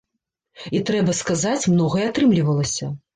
І трэба сказаць, многае атрымлівалася.